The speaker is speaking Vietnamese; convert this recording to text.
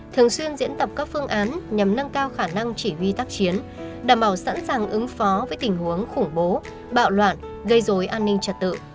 thường xuyên diễn tập các phương án nhằm nâng cao khả năng chỉ huy tác chiến đảm bảo sẵn sàng ứng phó với tình huống khủng bố bạo loạn gây dối an ninh trật tự